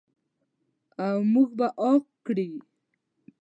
او موږ به عاق کړي.